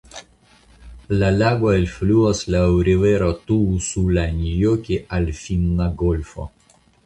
La lago elfluas laŭ rivero Tuusulanjoki al Finna golfo.